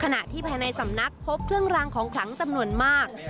ขณะที่ภายในสำนักพบเครื่องรางของขลังจำนวนมาก